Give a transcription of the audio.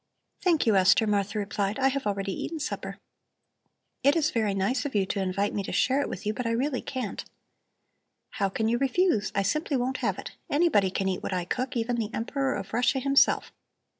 "Thank you, Esther," Martha replied. "I have already eaten supper. It is very nice of you to invite me to share it with you, but I really can't." "How can you refuse? I simply won't have it. Anybody can eat what I cook, even the Emperor of Russia himself.